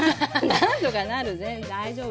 なんとかなる全然大丈夫。